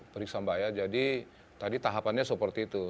periksa mbak ya jadi tadi tahapannya seperti itu